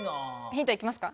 ヒント行きますか？